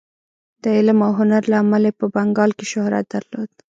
د علم او هنر له امله یې په بنګال کې شهرت درلود.